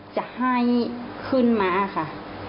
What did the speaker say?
จะให้ขึ้นมาค่ะ